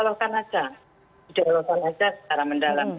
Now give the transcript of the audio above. dialogkan saja secara mendalam